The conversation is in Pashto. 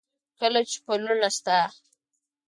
کله چې پلونه ستا،